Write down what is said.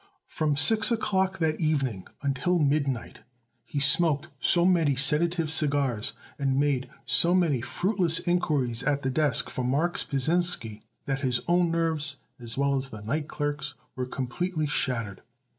From six o'clock that evening until midnight he smoked so many sedative cigars and made so many fruitless inquiries at the desk for Marks Pasinsky, that his own nerves as well as the night clerk's were completely shattered.